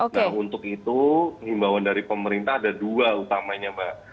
nah untuk itu himbawan dari pemerintah ada dua utamanya mbak